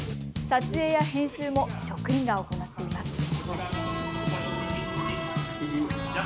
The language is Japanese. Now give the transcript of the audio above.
撮影や編集も職員が行っています。